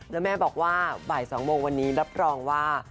แล้วแม่บอกว่าบ่าย๒โมงวันนี้รับรองว่า